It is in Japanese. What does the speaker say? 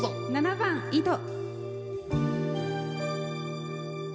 ７番「糸」。